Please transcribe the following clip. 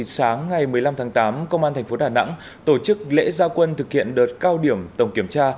sáng ngày một mươi năm tháng tám công an thành phố đà nẵng tổ chức lễ gia quân thực hiện đợt cao điểm tổng kiểm tra